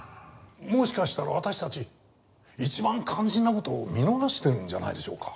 もしかしたら私たち一番肝心な事を見逃してるんじゃないでしょうか。